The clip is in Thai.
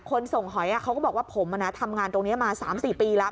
ส่งหอยเขาก็บอกว่าผมทำงานตรงนี้มา๓๔ปีแล้ว